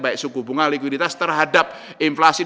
baik suku bunga likuiditas terhadap inflasi